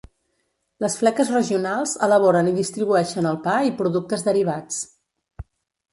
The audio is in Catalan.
Les fleques regionals elaboren i distribueixen el pa i productes derivats.